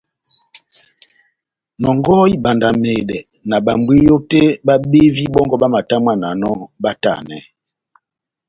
Nɔngɔhɔ ibandamedɛ na bámbwiyo tɛ́h bábevi bɔ́ngɔ bamatamwananɔ batanɛ.